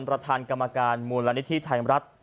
ประธานกรรมการมูลนิธิไทยรัฐ